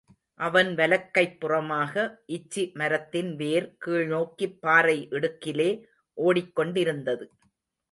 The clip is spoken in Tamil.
அவன் வலக் கைப்புறமாக இச்சி மரத்தின் வேர் கீழ்நோக்கிப் பாறை இடுக்கிலே ஓடிக்கொண்டிருந்தது.